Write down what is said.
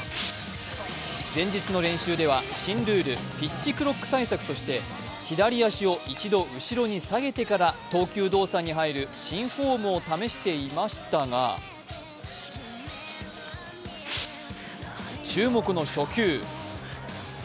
前日の練習では新ルール、ピッチクロック対策として左足を１度後ろに下げてから投球動作に入る新フォームを試していましたが注目の初球。